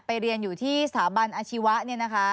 เรียนอยู่ที่สถาบันอาชีวะเนี่ยนะคะ